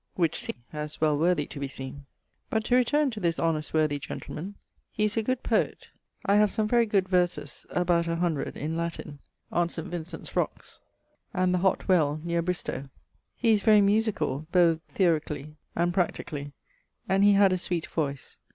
☞ Which see, as well worthy to be seen. But to returne to this honest worthy gentleman he is a good poet. I have some very good verses (about 100) in Latin on St. Vincent's rocks and the hott well, neere Bristowe. He is very musicall, both theorically and practically, and he had a sweet voyce.